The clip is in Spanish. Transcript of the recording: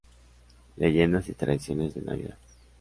Leyendas y Tradiciones de Navidad".